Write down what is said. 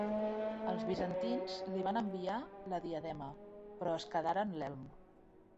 Els bizantins li van enviar la diadema, però es quedaren l'elm.